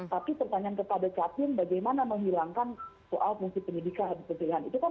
tapi pertanyaan kepada catiung bagaimana menghilangkan soal fungsi pendidikan di keputusan